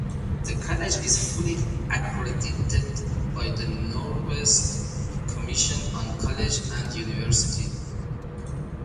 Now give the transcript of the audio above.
The college is fully accredited by the Northwest Commission on Colleges and Universities.